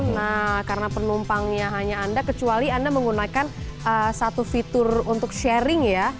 nah karena penumpangnya hanya anda kecuali anda menggunakan satu fitur untuk sharing ya